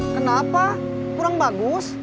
kenapa kurang bagus